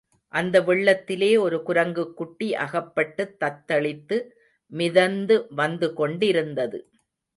அந்த வெள்ளத்திலே ஒரு குரங்குக்குட்டி அகப்பட்டுத் தத்தளித்து மிதந்து வந்து கொண்டிருந்தது.